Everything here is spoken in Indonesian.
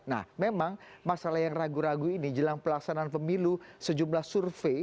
nah memang masalah yang ragu ragu ini jelang pelaksanaan pemilu sejumlah survei